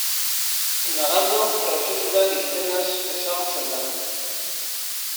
Nagano prefeturan izenaz ezagutzen da.